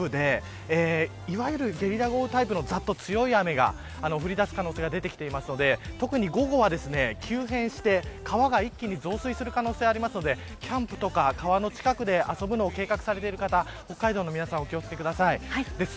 北海道は今、南部でいわゆるゲリラ豪雨タイプの強い雨が降り出す可能性が出てきているので特に午後は、急変して川が一気に増水する可能性があるのでキャンプとか川の近くで遊ぶのを計画されている方